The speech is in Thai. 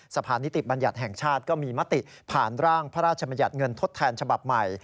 สะพานนิติบัญญัติแห่งชาติก็มีมติผ่านร่างพระราชมัญญัติเงินทดแทนฉบับใหม่